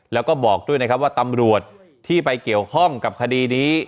แล้วก็บอกด้วยนะครับว่าตำรวจที่ไปเกี่ยวข้องกับคดีนี้